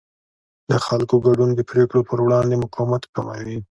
د خلکو ګډون د پرېکړو پر وړاندې مقاومت کموي